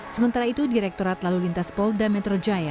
sementara itu direkturat lalu lintas polri dan metro jaya